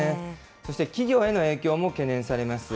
そして、企業への影響も懸念されます。